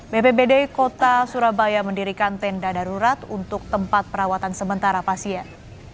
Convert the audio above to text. bpbd kota surabaya mendirikan tenda darurat untuk tempat perawatan sementara pasien